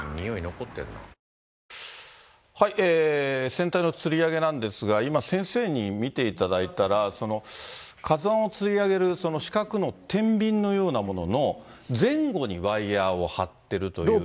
船体のつりあげなんですが、今、先生に見ていただいたら、ＫＡＺＵＩをつり上げる四角の天びんのようなものの、前後にワイヤーを張っているという。